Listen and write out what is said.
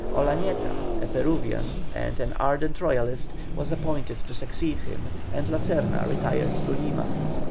Olañeta, a Peruvian and an ardent Royalist, was appointed to succeed him, and La Serna retired to Lima.